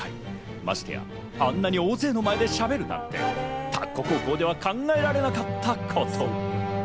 ましてや、あんなに大勢の前でしゃべるなんて、田子高校では考えられなかったこと。